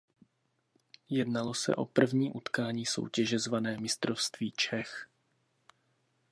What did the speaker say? Jednalo se o první utkání soutěže zvané Mistrovství Čech.